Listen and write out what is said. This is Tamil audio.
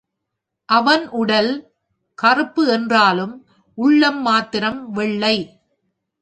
அவன் உடல் கறுப்பு என்றாலும், உள்ளம் மாத்திரம் வெள்ளை.